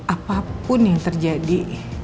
apapun yang terjadi